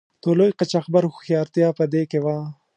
د لوی قاچاقبر هوښیارتیا په دې کې وه.